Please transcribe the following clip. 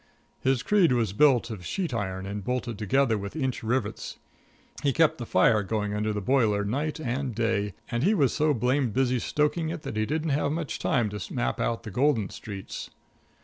His creed was built of sheet iron and bolted together with inch rivets. He kept the fire going under the boiler night and day, and he was so blamed busy stoking it that he didn't have much time to map out the golden streets.